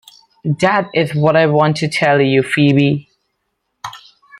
That is what I want to tell you, Phoebe.